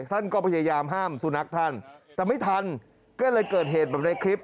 ท่านก็พยายามห้ามสุนัขท่านแต่ไม่ทันก็เลยเกิดเหตุแบบในคลิป